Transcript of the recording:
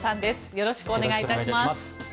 よろしくお願いします。